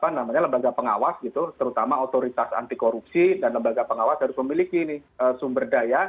namanya lembaga pengawas gitu terutama otoritas anti korupsi dan lembaga pengawas harus memiliki sumber daya